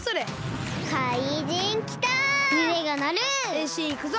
へんしんいくぞ！